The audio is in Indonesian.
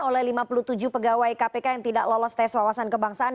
oleh lima puluh tujuh pegawai kpk yang tidak lolos tes wawasan kebangsaan